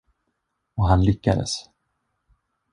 Och han lyckades.